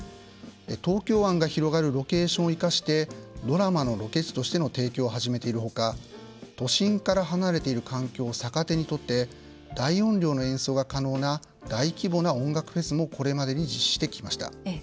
東京湾が広がるロケーションを生かしてドラマのロケ地としての提供を始めているほか都心から離れている環境を逆手にとって大音量の演奏が可能な大規模な音楽フェスもこれまでに実施してきました。